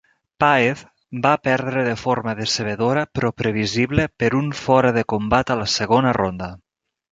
Paez va perdre de forma decebedora però previsible per un fora de combat a la segona ronda.